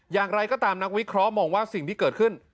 อย่างไรก็ตามนักวิเคราะห์มองว่าสิ่งที่เกิดขึ้น